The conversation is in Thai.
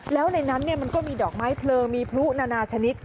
แล้วในนั้นมันก็มีดอกไม้เพลิงมีพลุนานาชนิด